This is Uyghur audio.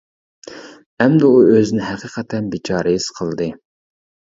ئەمدى ئۇ ئۆزىنى ھەقىقەتەن بىچارە ھېس قىلدى.